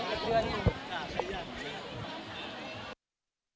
โปรดติดตามตอนต่อไป